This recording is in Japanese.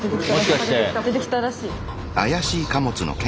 出てきたらしい？